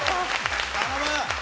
頼む。